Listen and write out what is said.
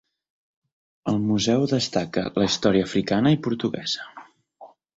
Al museu destaca la història africana i portuguesa.